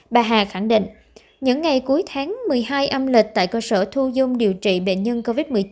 bà hà khẳng định những ngày cuối tháng một mươi hai âm lịch tại cơ sở thu dung điều trị bệnh nhân covid một mươi chín